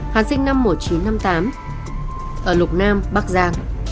hàn sinh năm một nghìn chín trăm năm mươi tám ở lục nam bắc giang